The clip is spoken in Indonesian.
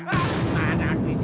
heheheh apaan sih